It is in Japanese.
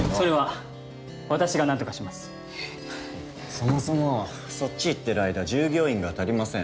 そもそもそっち行ってる間従業員が足りません。